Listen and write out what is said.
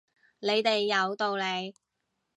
你哋有道理